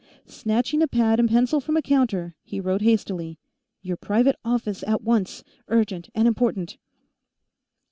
Snatching a pad and pencil from a counter, he wrote hastily: _Your private office, at once; urgent and important.